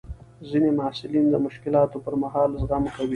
ځینې محصلین د مشکلاتو پر مهال زغم کوي.